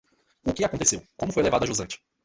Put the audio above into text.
O que aconteceu, como foi levado a jusante?